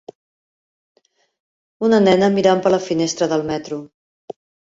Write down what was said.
Una nena mirant per la finestra del metro.